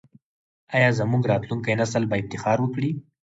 آیا زموږ راتلونکی نسل به افتخار وکړي؟